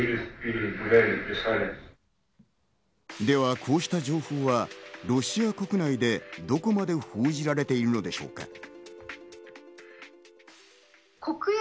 では、こうした情報はロシア国内でどこまで報じられているのでしょうか。